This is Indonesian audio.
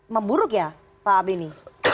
memburuk ya pak abini